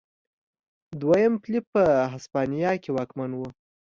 دویم فلیپ په هسپانیا کې واکمن و.